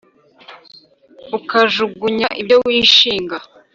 ukajugunya ibyo wishinga